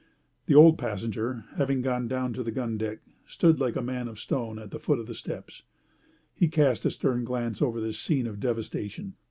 The old passenger, having gone down to the gun deck, stood like a man of stone at the foot of the steps. He cast a stern glance over this scene of devastation.